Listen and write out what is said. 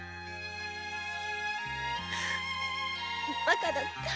バカだった。